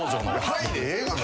「はい」でええがな。